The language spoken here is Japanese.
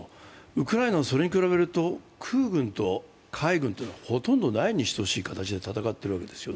ウクライナはそれに比べると空軍と海軍はほとんどないに等しい形で戦っているわけです。